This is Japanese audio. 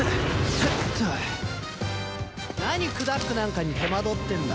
何クダックなんかに手間取ってんだ。